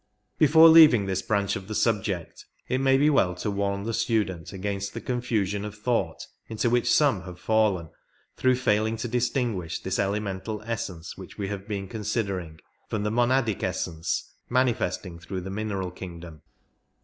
Before leaving this branch of the subject it may be well to warn the student against the confusion of thought into which some have fallen through failing to distinguish this elemental essence which we have been considering from the monadic essence manifesting through the mineral kingdom.